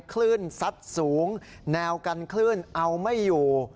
คลื่นซัดสูงแนวกันคลื่นเอาไม่อยู่